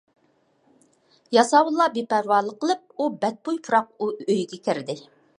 ياساۋۇللار بىپەرۋالىق قىلىپ، ئۇ بەتبۇي پۇراق ئۆيگە كىردى.